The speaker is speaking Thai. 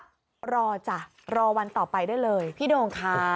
โปะรอจ่ะรอวันต่อไปด้วยเลยพี่โด่งคะ